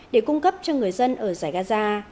để cung cấp cho người dân ở giải gaza